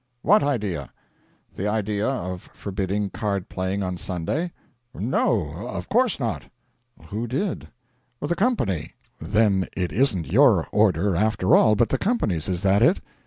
'What idea?' 'The idea of forbidding card playing on Sunday.' 'No of course not.' 'Who did?' 'The company.' 'Then it isn't your order, after all, but the company's. Is that it?'